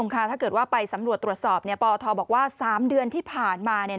ถ้าเกิดว่าไปสำรวจตรวจสอบปทบอกว่า๓เดือนที่ผ่านมา